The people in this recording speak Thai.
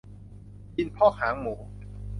ดินพอกหางหมู